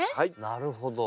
なるほど。